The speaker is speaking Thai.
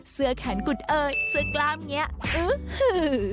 เสื้อแขนกุดเอ่ยเสื้อกล้ามนี้อื้อหือ